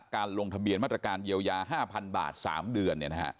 ลงทะเบียนมาตรการเยียวยา๕๐๐๐บาท๓เดือน